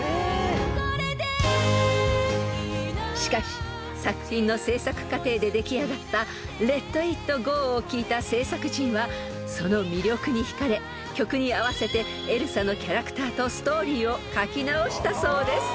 ［しかし作品の製作過程で出来上がった『レット・イット・ゴー』を聴いた製作陣はその魅力に引かれ曲に合わせてエルサのキャラクターとストーリーを書き直したそうです］